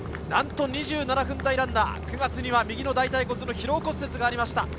なんと２７分台ランナー、９月には右の大腿骨の疲労骨折がありました。